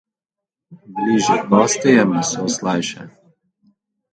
Bližje kosti je meso slajše.